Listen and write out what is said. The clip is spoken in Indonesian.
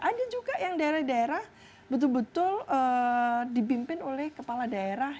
ada juga yang daerah daerah betul betul dipimpin oleh kepala daerah